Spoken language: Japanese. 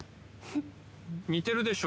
似てるでしょ？